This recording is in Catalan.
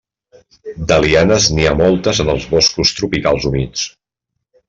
De lianes n'hi ha moltes en els boscos tropicals humits.